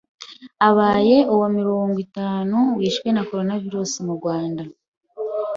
abaye uwa mirongo itanu wishwe na coronavirus mu Rwanda...